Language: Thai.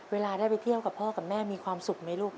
เวลาได้ไปเที่ยวกับพ่อกับแม่มีความสุขไหมลูก